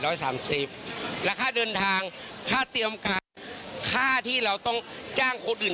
แล้วค่าเดินทางค่าเตรียมการค่าที่เราต้องจ้างคนอื่น